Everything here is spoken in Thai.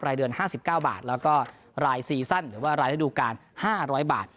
รายเดือนห้าสิบเก้าบาทแล้วก็รายซีซั่นหรือว่ารายระดูกการห้าร้อยบาท